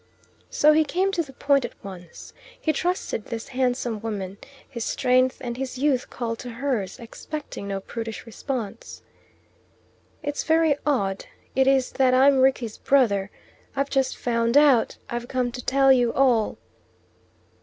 So he came to the point at once. He trusted this handsome woman. His strength and his youth called to hers, expecting no prudish response. "It's very odd. It is that I'm Rickie's brother. I've just found out. I've come to tell you all."